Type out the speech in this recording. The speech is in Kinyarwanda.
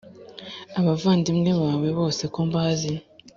abavandimwe bawe bose ko mbazi